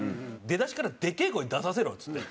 「出だしからでけえ声出させろ」っつって。